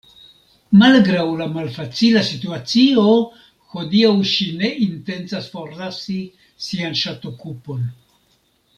Malgraŭ la malfacila situacio hodiaŭ ŝi ne intencas forlasi sian ŝatokupon.